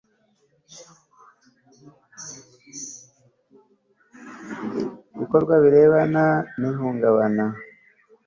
ibikorwa birebana n ihungabana